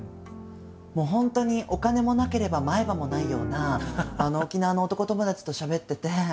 もう本当にお金もなければ前歯もないような沖縄の男友達としゃべってて。